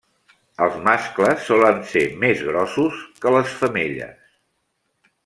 Els mascles solen ser més grossos que les femelles.